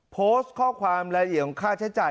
โพสต์ข้อความรายละเอียดของค่าใช้จ่าย